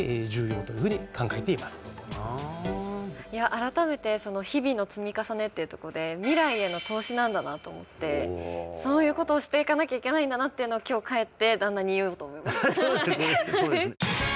改めて日々の積み重ねっていうとこで未来への投資なんだなと思っておおそういうことをしていかなきゃいけないんだなっていうのを今日帰って旦那に言おうと思います